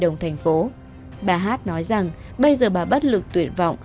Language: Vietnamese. đồng thành phố bà hát nói rằng bây giờ bà bất lực tuyệt vọng